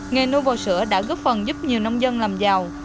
nghề nuôi bò sữa đã góp phần giúp nhiều nông dân làm giàu